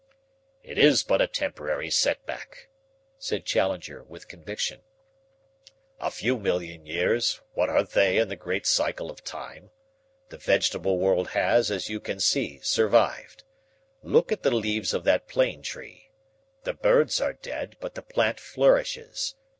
"It is but a temporary setback," said Challenger with conviction. "A few million years, what are they in the great cycle of time? The vegetable world has, as you can see, survived. Look at the leaves of that plane tree. The birds are dead, but the plant flourishes.